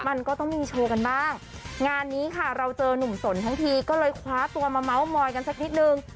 มันก็ต้องมีโชว์กันบ้างงานนี้ค่ะเราเจอนุ่มสนทั้งทีก็เลยคว้าตัวมาเมาส์มอยกันสักนิดนึง